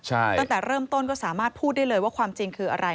ตั้งแต่เริ่มต้นก็สามารถพูดได้เลยว่าความจริงคืออะไร